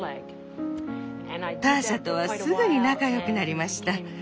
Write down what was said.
ターシャとはすぐに仲良くなりました。